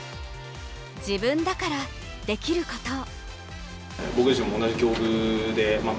自分だからできることを。